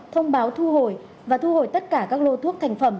thông báo thu hồi và thu hồi tất cả các lô thuốc thành phẩm